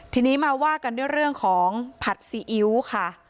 ทีนี้มาว่ากันด้วยเรื่องของผัดซีอิ๊วค่ะ